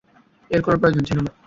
এর কোনো প্রয়োজন ছিল না।